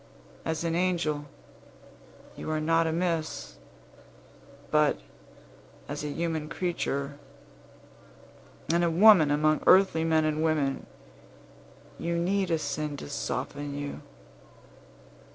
As an angel, you are not amiss; but, as a human creature, and a woman among earthly men and women, you need a sin to soften you."